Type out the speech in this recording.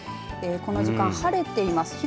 この時間、晴れています。